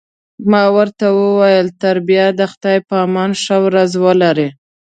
ما ورته وویل: تر بیا د خدای په امان، ښه ورځ ولرئ.